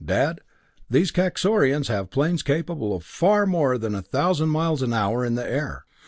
"Dad, these Kaxorians have planes capable of far more than a thousand miles an hour in the air.